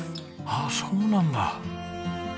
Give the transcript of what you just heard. ああそうなんだ。